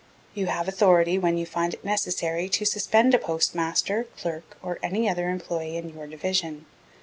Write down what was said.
You have authority when you find it necessary to suspend a Postmaster, Clerk, or any other employé in your Division.